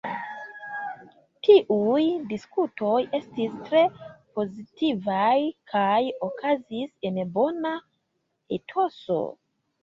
Tiuj diskutoj estis tre pozitivaj kaj okazis en bona etoso.